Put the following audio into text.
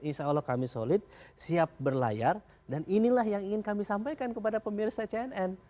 insya allah kami solid siap berlayar dan inilah yang ingin kami sampaikan kepada pemirsa cnn